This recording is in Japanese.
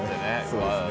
そうですね。